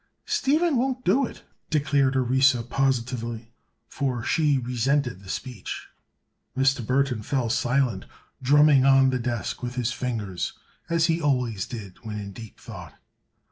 "Stephen won't do it," declared Orissa, positively, for she resented the speech. Mr. Burthon fell silent, drumming on the desk with his fingers, as he always did when in deep thought.